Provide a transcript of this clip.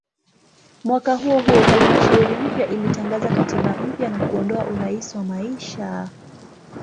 Mwaka huohuo halmashauri mpya ilitangaza katiba mpya na kuondoa "urais wa maisha".